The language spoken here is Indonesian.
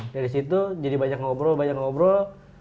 dari situ jadi banyak ngobrol banyak ngobrol